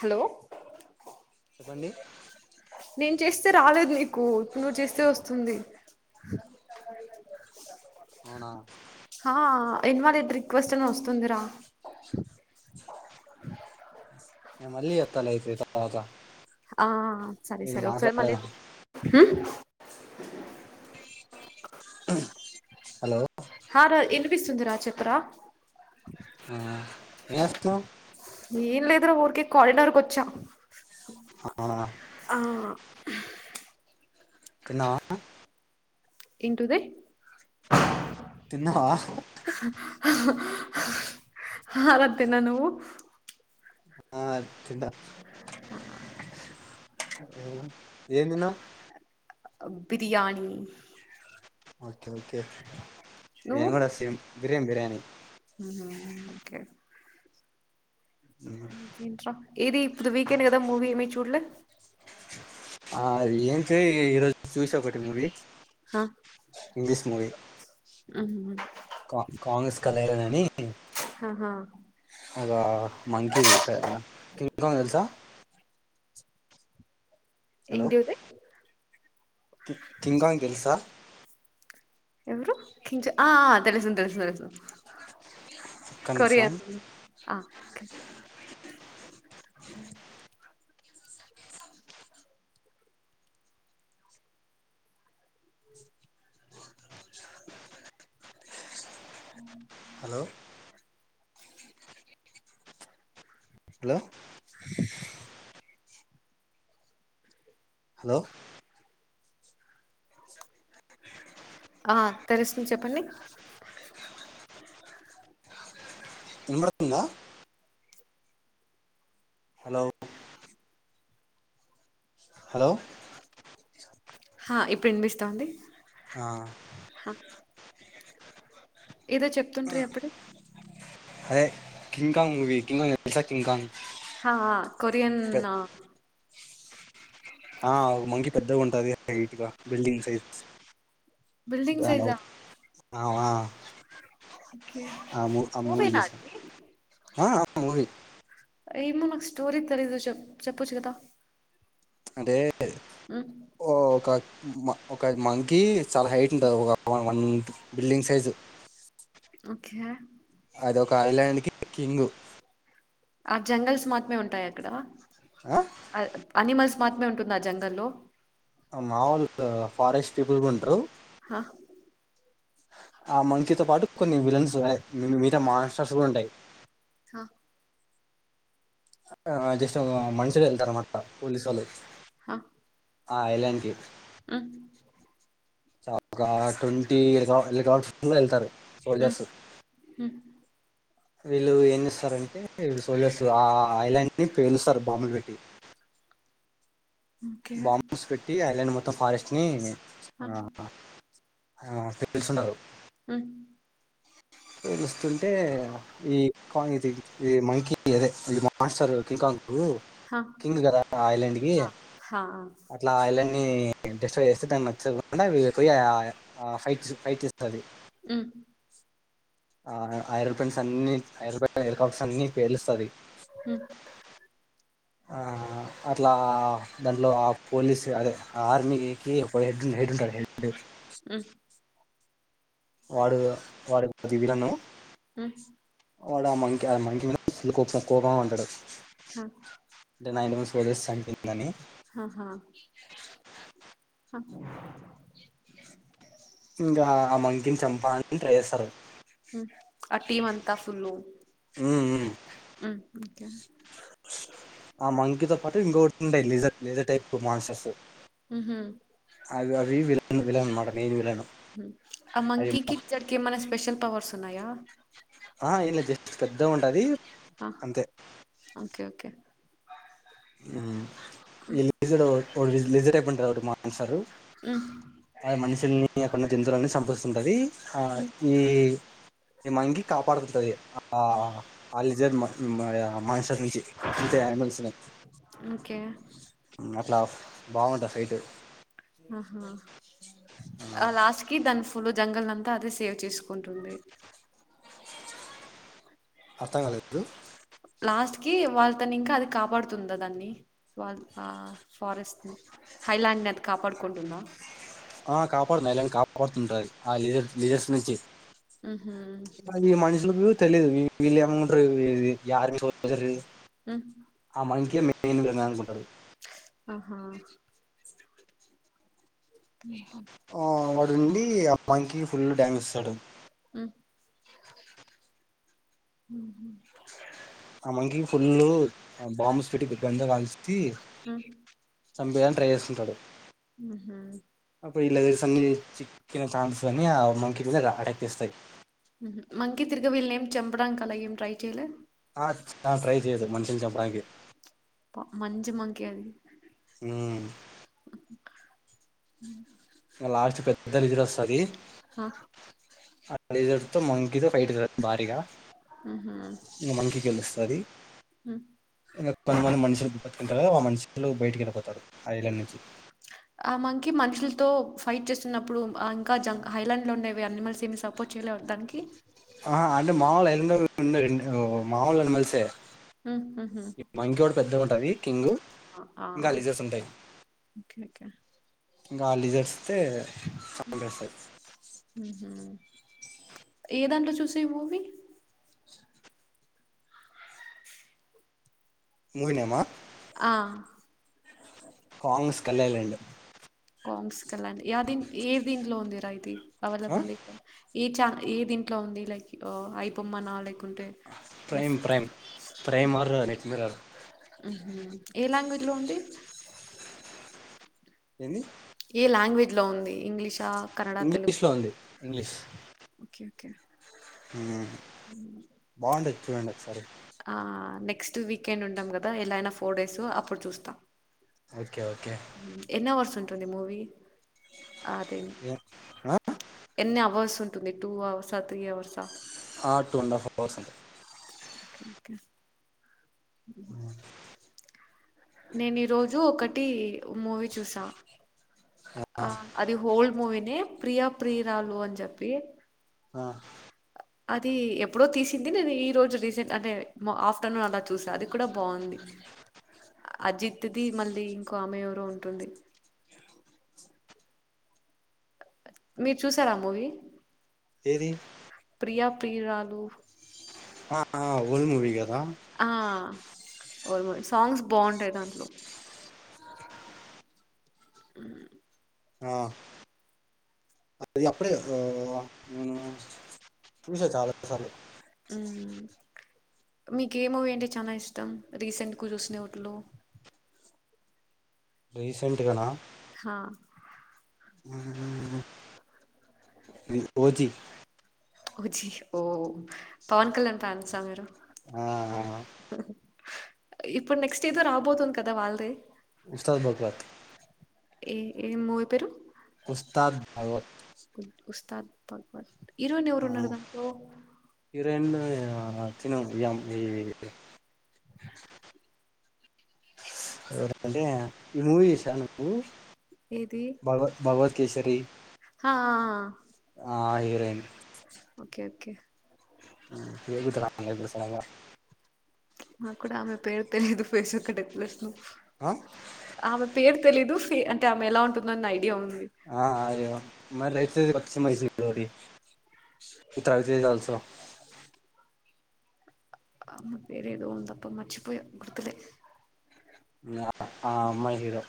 Hello చెప్పండి నిన్ చేస్తే రాలేదు నీకు నువ్వు చేస్తే వస్తుంది అవునా ఆ ఇన్వాలీడ్ రిక్వెస్ట్ అని వస్తుందిరా నేను మళ్ళీ జేత్తాలే అయితే తరవాత ఆ సరే సరే ఒకసారి మళ్ళీ హు హలో హా రా ఇనిపిస్తుంది రా చెప్పరా హా [inaudible] ఏం లేదురా ఊర్కే కారిడార్ కొచ్చా అవునా ఆ తన్నావ ఏంటుది తిన్నావా అల తినను ఆ తిన ఆ ఏం తిన్నావ్ ఆ బిర్యానీ ఒకే ఒకే నేన్ కూడ సేమ్ బిర్ం బిర్యానీ ఉహుహు ఓకె ఇంకేంట్రా ఏది ఇప్పుడు వీకెండ్ కదా మూవీ ఏమి చూ చూడలే ఆ అ ఏం చె ఈరోజు చూస ఒకటి మూవి హా ఇంగ్లీస్ మూవీ కాంగ్రెస్ కదలనని ఆహా ఒక మంకిీది కదలోన సి మా తెల్సా? ఏంటిపి కి కింగ్కాంగ్ తెలుసా? ఎవరు కింజ ఆ తెలుసుంది తెలుసు తెలుసు ఒక్క నిమిషం కొరియన్ ఆ కె అ హలో హలో హలో ఆ తెలుస్ చెప్పండి ఇంబడుతుందా? హలో హలో హ ఇప్పుడు వినిపిస్తాంది. ఆ ఏదో చెప్తున్ట్రీ అప్పుడు అదే కింగ్కాంగ్ మూవీ కింగ్ తెలుసా కింగ్కాంగ్ హ అ కొరియన్ ఆ ఒగ మంకి పెద్దగా ఉంటది హైట్గా బిల్డింగ్ సైజ్ బిల్డింగ్ సైజా అవు అ ఓకె మూవీ నా అది ఆ మూవీ ఏమో నాకు స్టోరీ తెలీదు చె చెప్పచ్చు కదా అంటే టె మ్ ఓ ఒక మ ఒకద్ మంకీ చాలా హైట్ ఉంటవ్ గ వన్ బిల్డింగ్ సైజు ఒకే అది ఒక ఐలాండ్కి కింగూ ఆ జంగల్స్ మాత్రమే ఉంటాయి అక్కడ అ ఆనిమల్స్ మాత్రమే ఉంటుంద ఆ జంగల్లో మా వాళ్ళ ఫారెస్ట్ పీపుల్ ఉంట్రూ హా ఆ మంకీ తో పాటు కొన్ని విలన్స్ ఉన్నాయి మిగతా మాన్స్టర్స్ కూడ ఉంటాయి హ ఆ జస్ట్ మనుషులు వెళ్తారన్నమాట పోలీస్లు హ ఆ ఎలాంటి హుమ్మ్ చ ఒక ట్వంటీ [unintelligible] లో వెళ్తారు ఉ సోల్జర్స్ ఉ వీళ్ళు ఏన్ని ఇస్తారంటే వీళ్ళు సోల్జర్స్ ఆ ఐలాండ్ ని పేలుస్తారు బాంబులు పెట్టి ఓకే హా బాంబ్స్ కట్టి ఐలండ్ మొత్తం ఫారెస్ట్ స్నీ ఆ ఆ తెలుసున్నారు హుమ్మ్ పేలుస్తుంటే ఈ కా ఇ ఇది ఇది మంకి అదే ఇ మాస్తారు ఇంకా ఊ హా కింగ్ గదా ఐలాండ్ కి హా హా నీ టెస్ట్ గా చేస్తే నచ్చకుండా వీళ్ళ కి ఫైట్ ఫైట్ చేస్తుంది హ్మ్ ఆ ఐరోపన్స్ అన్ని ఐరోపన్ లో హెరికాప్టర్స్ అన్ని పేలుస్తాది హుమ్ ఆ అట్లా దాంట్లో ఆ పోలీసు అదే ఆ ఆర్మీకి ఒక హెడ్ హెడ్ ఉంటాడు హె హ్మ్ వాడు వాడు ది విలను హ్మ్ వాడు ఆ మంకి ఆ మంకి మీద ఫుల్ కోప కోపం ఉంటాడు హా అంటే నా ఇంటి చేస్తందని ఆ ఇంగా ఆ మంకిని చంపాలని ట్రై చేస్తరు ఆ టీమంతా ఫుల్ ఉమ్ ఉమ్ హ్మ్ ఒకే ఆ మంకీతో పాటు ఇంకోటి ఉండయి లేజర్ లేజర్ టైప్ మాన్స్టర్స్ ఉహు అవి విలన్ విలన్ అన్నమాట మెయిన్ విలన్ ఆ అవి మంకీ కి [unintelligible] ఏమన్న స్పెషల్ పవర్స్ ఉన్నాయ ఆహా ఎం లే జస్ట్ పెద్ద గా ఉంటది ఆ అంతే ఓకే ఓకే మ్మ్ ఈ లీజడ్ అవర్ ఒడు విజ్ లిజెన్ టే పన్ర ఒకటి మాన్సరు ఆ మనుషిల్ని అక్కనున్న జంతువులన్నీ సంపొస్తుంటది హా ఈ ఈ మంకీ కాపాడుతుంటది ఆ అలిన్ జర్ మాయ మాంస్టర్ నుంచి ఇంతే యానిమల్స్ని ఓకే. అట్లాఫ్ బాగుంటా ఫైట్ ఆహా! ఆ జంగల్ అంతా అదే సేవ్ చేసుకుంటుంది అర్థం కాలేదు లాస్ట్ కి వాళ్ళ తను ఇంకా అది కాపాడుతుందా దాన్ని వాళ్ళ ఆ ఫారెస్ట్ ను హైలాండ్ ని అది కాపాడుకుంటుందా ఆ కాపాడుతుంది ఐలాండ్ ని కాపాడుతుంటాదది ఆ లిజర్ లిజర్స్ నుంచి హుహు. మనిషలోకి తెలిదు ళ్ళమంట య హ్మ్. ఆ మంకీ మెయిన్ [unintelligible] తడు ఆహా ఆ వాడుండి మంకి ఫుల్ డ్యామేజ్స్తాడు అ హ ఆ మకి ఫుల్ బాంబుస్ పెట్టి బంద వాల్ హ్మ్. చంపని ట్రై చేస్తుంటాడు హుహు. అప్పుడు ఈలరీస్ అన్న కన్న ఛాన్స్ అని ఆ మంకి మీద అటాక్ చేస్తాయి మంగితిిరుగ వ వెళ నం చేంపడం మ్ కదా ఈ ట్రై చేయలే ఆ ట్రై చేయదు మనుషిలు చెంపడానికి మంజ మాకే ద్ లాస్ట్ పెద్ద రిజర్ వస్తది ఆ రిజల్స్ తో మంకిీతో ఫైట్ కదు భారీగా ఉహు ఇకా మనకికిెలుస్తది ఇకా కొంతమంది మనుషులు బతికిన తరువాత ఆ మనుషులు బయట్ కి వెళ్ళిపోతారు ఆ ఐలాండ్ నుంచి ఆ మకి మనుషులతో ఫైట్ చేస్తున్నప్పుడు ఇంకా జంగ్ హైలాండ్ లో ఉండేవి అయానిమల్స్ దీన్ని సపోర్ట్ చేయలే వత్తానికి ఉండ రండి మాముూళని యనిమల్ సే ఉహు మంకి కూడా పెద్దగా ఉంటది కింగ్ు ఆ ఆ. ఇంకా లిజర్స్ ఉంటాయి ఓకే ఓకే ఇంకా లిజర్స్ే వస్తె చంపేస్తాయి ఉహు ఏ దాంట్లో చూసేవి మూవీ మూవీ నేమ్ అ ఆ కాంగెస్ కళ్యాాలడి కాంస్ క్కలాండి యా దని ఏ దన్ లోంద తయిది అవాద బదిక్ ఏ చా ఏ దీంట్లో ఉంది లైక్ అయిపోమ్మనా like prime prime prime or neutral ఏ లాంగ్వేజ్ లో ఉంది ఏంది ఏ లాంగ్వేజ్లో ఉంది ఇంగ్లీషా కన్నడ తెలుగు ఇంగ్లీష్ లో ఉంది ఇంగ్లీష్ ఓకే ఓకే బాగుండది చూడండి ఒకసారి ఆ నెక్స్ట్ వీక్ చికెన్ ఉంటా కదా ఎలా అయినా స ఫోర్ డేస్ అప్పుడు చూస్తాం ఓకే ఓకే ఉంటుంది మూవీ అదే ఎన్ని అవర్స్ ఉంటుంది టూ అవర్సా త్రీ అవర్సా [unintelligible] అ నేను ఈ రోజు ఒకటి మూవీ చూసా ఆ అది ఓల్డ్ మూవి ప్రియ ప్రియురాలు అని చెప్పి ఆ అది ఎప్పుడో తీసింది నేను ఈ రోజు రీసెంట్ అంటే ఆఫ్టర్నూన్ అలా చూసా అది కూడా బాగుంది అజిత్ ది మళ్ళీ ఇంకో ఆమె ఎవరో ఉంటుంది మీరు చూసారా ఆ మూవీ ఏది ప్రియా ప్రియురాలు ఆ హఓల్డ్ మూవీగా దా ఆ సాంగ్స్ బాగుంటాయి దాంట్లో ఆ ఆ అది అప్పుడే ఆ ఊ చూషా చాలాసార్లు ఉ మీకు ఏ మూవీ అంటే చాలా ఇష్టం రీసెంట్ గా చూసిన వాటిలో రీసెంట్గానా హ ఓజి ఓజి ఓ పవన్ కళ్యాణ్ ఫ్యాన్సా మీరు ఆ ఇప్పుడు నెక్స్ట్ ఏదో రాబోతుంది కదా వాళ్ళది ఉస్తాద్ భగవత్ ఏ ఏం మూవీ పేరు ఉస్తాద్ భగవత్ ఉస్తాద్ భగవత్ హీరోయిన్ ఎవరు ఆ ఉన్నారు దాంట్లో హీరోయిన్ తిన ఈ ఎవరు అంటే ఈ మూవీ చూసావా నువ్వు ఏది భగవత్ భగవత్ కేేశరి ఆ ఆ ఆ ఆ హీరోయిన్ ఓకే ఓకే పేరు గుర్తు రావట్లే సుడాన్ గా నా కూడా ఆమె పేరు తెలీదు ఫేస్ ఒక్కటే తెలుసు ఆ ఆమె పేరు తెలిదు అంటె ఆమె ఎలా ఉంటుంద అన్న ఐడియా ఉంది ఆ ఇగ మరి కొత్త సినిమా తీసింది ఒకటి తవితేల్జాల్సో అమ్మ పేరూ ఏదో ఉందబ్బా మరిచిపోయా గుర్తులేదు ఇంగ ఆ అమ్మాయి హీరో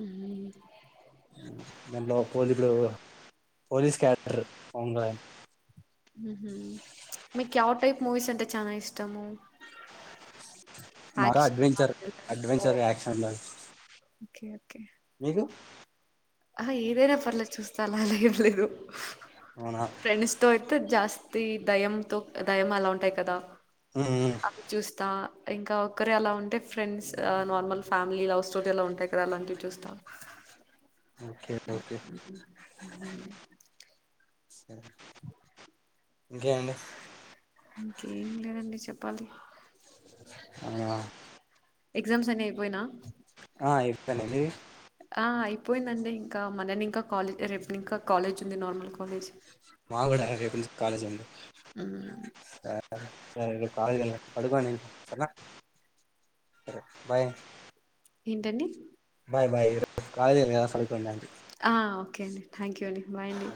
ఉహుమ్ దాని పోలి ఇ పోలీస్ క్యారెక్టర్ అంగ ఊహుయ్ మీకు వ టైప్ మూవీస్ అంటే చలా ఇష్టము నర యాక్షన్ ఆ అడ్వెంచర్ థ్రిల్లర్ ఓ అడ్వెంచర్ యాక్షన్ ల ఓకే ఓకే మీకు ఆహ ఏదైనా పర్లేదు చూస్తా అలాగేం ఏం లేదు అవునా ఫ్రెండ్స్ తోట్ జాస్తి ఈ దయంతో దయం అలా ఉంటాయి కదా ఉమ్ అది చూస్తా ఇంకా ఒక్కరె అలా ఉంటే friends normal family love story అలా ఉంటాయి కదా అలాంటివి చూస్తా ఓకే స్ ఓకే ష్ స్ [unintelligible] ఇంకేంది ప్పలి అవున ఎగ్జామ్సన్ని అయిపోయినా ఆ అయిపోయిన మీది ఆ అయిపోయిందండి ఇంక మనది ఇంకా కాలేజ్ రేపు ఇంకా కాలేజ్ ఉంది నార్మల్ కాలేజ్ మాకు కూడా రేపు నుంచి కాలేజ్ అండి హ్మ్ సరే సరే లె కాల్ గద పడుకో ఇగ సరే బాయ్ ఏంటండి బాయ్ బాయ్ ఈ రోజు కాలేజ్ ఉంది కద సరిపోయిందా అండి ఆ ఓకే అండి థ్యాంక్ యూ అండి బాయ్ అండి